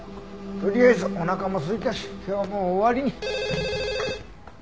とりあえずおなかもすいたし今日はもう終わりに。